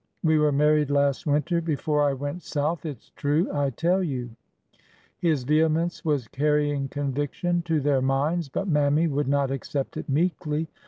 We were married last winter, before I went South. It 's true, I tell you !" His vehemence was carrying conviction to their minds, but Mammy would not accept it meekly.